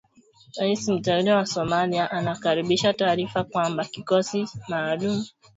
Rais mteule wa Somalia anakaribisha taarifa kwamba kikosi maalum